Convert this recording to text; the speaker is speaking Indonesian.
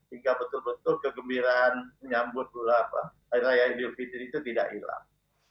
hingga betul betul kegembiraan menyambut hari raya idul fitri itu tidak hilang